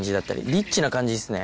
リッチな感じいいっすね。